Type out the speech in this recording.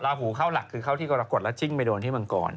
หูเข้าหลักคือเข้าที่กรกฎแล้วจิ้งไปโดนที่มังกร